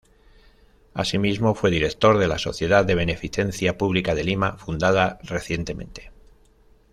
Asimismo, fue director de la Sociedad de Beneficencia Pública de Lima, fundada recientemente.